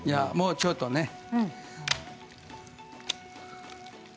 もうちょっとね。